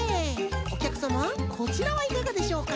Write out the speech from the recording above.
おきゃくさまこちらはいかがでしょうか？